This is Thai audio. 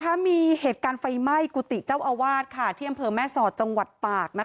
มีเหตุการณ์ไฟไหม้กุฏิเจ้าอาวาสที่อำเภอแม่สอดจังหวัดตาก